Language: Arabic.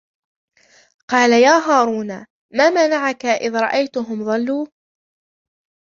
قال يا هارون ما منعك إذ رأيتهم ضلوا